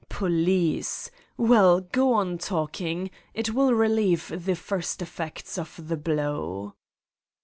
Police! Well, go on talking. It will relieve the first effects of the blow.